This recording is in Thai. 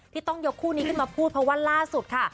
ต้องยกคู่นี้ขึ้นมาพูดเพราะว่าล่าสุดค่ะ